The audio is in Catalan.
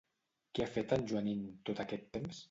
Què ha fet en Joanín tot aquest temps?